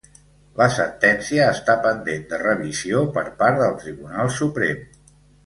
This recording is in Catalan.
La sentència està pendent de revisió per part del Tribunal Suprem.